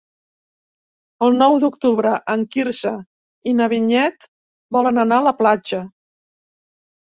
El nou d'octubre en Quirze i na Vinyet volen anar a la platja.